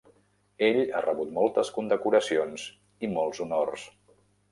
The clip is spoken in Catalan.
Ell ha rebut moltes condecoracions i molts honors.